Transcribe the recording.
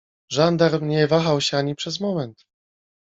Żandarm nie wahał się ani przez moment.